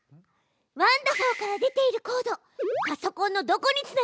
ワンだふぉーから出ているコードパソコンのどこにつながってる？